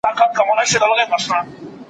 هغه وويل چي تمسخر منع دی.